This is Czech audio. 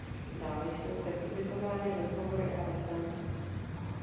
Dále jsou zde publikovány rozhovory a recenze.